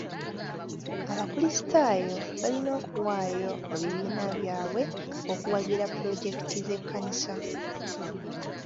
Abakulisitaayo balina okuwaayo mu bibiina byabwe okuwagira pulojekiti z'ekkanisa.